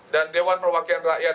dan dewan perwakilan rakyat